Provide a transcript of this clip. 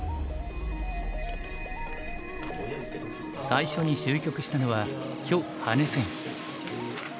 最初に終局したのは許・羽根戦。